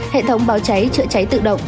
hệ thống báo cháy chữa cháy tự động